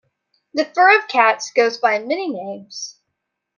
The fur of cats goes by many names.